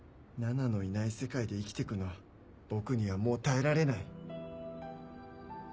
なのいない世界で生きてくのは僕にはもう耐えられない。